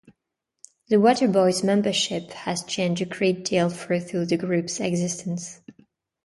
The Waterboys' membership has changed a great deal throughout the group's existence.